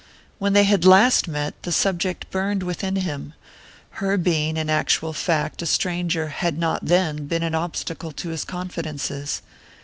When they had last met, the subject burned within him: her being in actual fact a stranger had not, then, been an obstacle to his confidences.